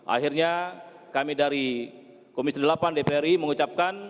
akhirnya kami dari komisi delapan dpri mengucapkan